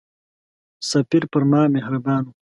سفیر پر ما مهربان وو.